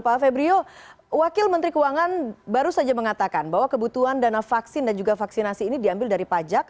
pak febrio wakil menteri keuangan baru saja mengatakan bahwa kebutuhan dana vaksin dan juga vaksinasi ini diambil dari pajak